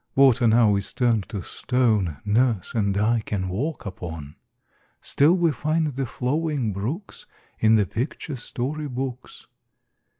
Water now is turned to stone Nurse and I can walk upon; Still we find the flowing brooks In the picture story books.